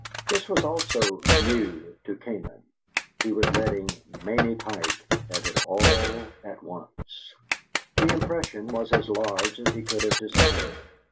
This was also new to Canaan. He was letting Mamie Pike have it all at once. The impression was as large as he could have desired.